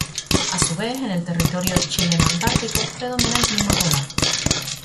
A su vez, en el Territorio Chileno Antártico, predomina el clima polar.